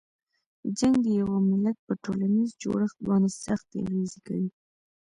جنګ د یوه ملت په ټولنیز جوړښت باندې سختې اغیزې کوي.